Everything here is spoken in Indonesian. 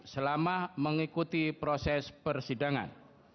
selama mengikuti proses persidangan